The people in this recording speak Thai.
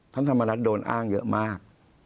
ท่านธรรมรัฐโดนอ้างเยอะมาก